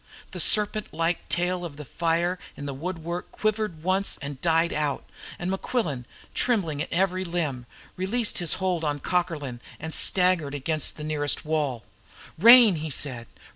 The serpent like trail of fire in the woodwork quivered once and died out. And Mequillen, trembling in every limb, released his hold on Cockerlyne, and staggered against the nearest wall. "Rain!" he said.